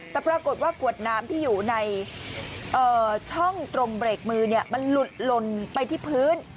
แต่ปรากฏว่าขวดน้ำที่อยู่ในช่องตรงเบรกมือมันหลุดลนไปที่พื้น